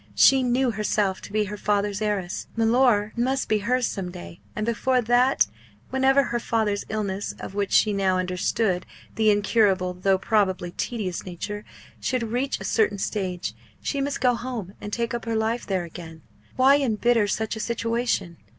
She knew herself to be her father's heiress. Mellor must be hers some day; and before that day, whenever her father's illness, of which she now understood the incurable though probably tedious nature, should reach a certain stage, she must go home and take up her life there again. Why embitter such a situation?